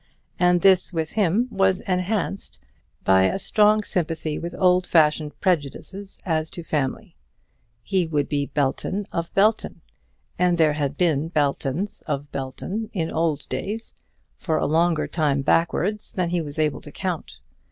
And this with him was enhanced by a strong sympathy with old fashioned prejudices as to family. He would be Belton of Belton; and there had been Beltons of Belton in old days, for a longer time backwards than he was able to count.